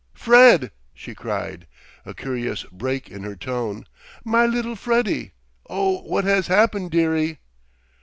"Fred!" she cried, a curious break in her tone. "My little Freddie! Oh, what has happened, dearie?"